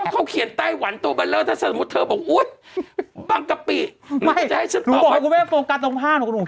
เขาเขียนว่าไต้หวันลูก